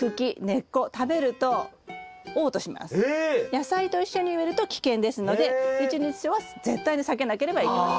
野菜と一緒に植えると危険ですのでニチニチソウは絶対に避けなければいけない。